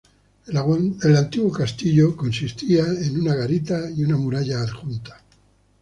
El antiguo castillo consistía en una garita y una muralla adjunta.